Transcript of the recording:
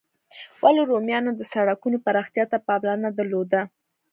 ولي رومیانو د سړکونو پراختیا ته پاملرنه درلوده؟